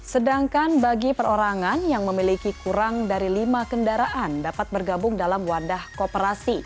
sedangkan bagi perorangan yang memiliki kurang dari lima kendaraan dapat bergabung dalam wadah kooperasi